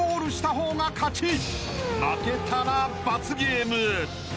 ［負けたら罰ゲーム］